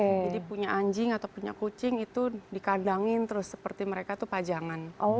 jadi punya anjing atau punya kucing itu dikandangin terus seperti mereka itu pajangan